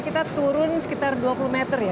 kita turun sekitar dua puluh meter ya